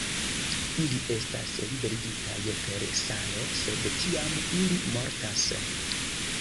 Ili estas liberigitaj per salo, sed tiam ili mortas.